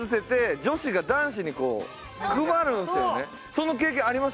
その経験あります？